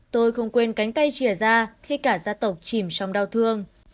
tôi không quên cánh tay chìa ra khi cả gia tộc chìm trong đau thương